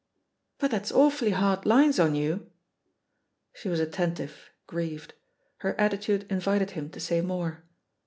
'* But that's awfully hard lines on you." She was attentive, grieved; her attitude invited him to say more.